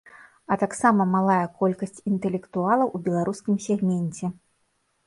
А таксама малая колькасць інтэлектуалаў у беларускім сегменце.